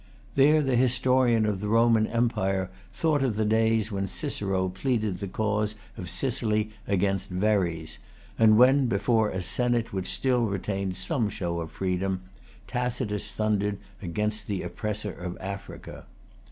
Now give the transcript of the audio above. There the historian of the Roman empire thought of the days when Cicero pleaded the cause of Sicily against Verres, and when, before a senate which still retained some show of freedom, Tacitus thundered against the oppressor of Africa.